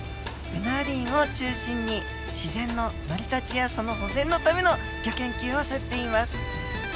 ブナ林を中心に自然の成り立ちやその保全のためのギョ研究をされています。